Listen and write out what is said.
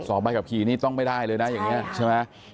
ใบขับขี่นี่ต้องไม่ได้เลยนะอย่างนี้ใช่ไหม